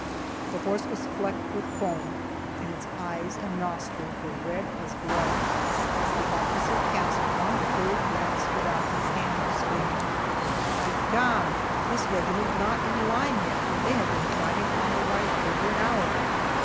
The horse was flecked with foam and its eyes and nostrils were red as blood. The officer cast one hurried glance around him, and exclaimed: "My God! this regiment not in line yet! They have been fighting on the right over an hour!"